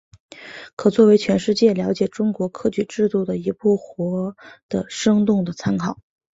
可作为全世界了解中国科举制度的一部活的生动的参考。